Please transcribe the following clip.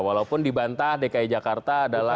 walaupun dibantah dki jakarta adalah